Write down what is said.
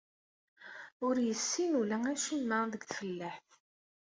Ur yessin ula acemma deg tfellaḥt.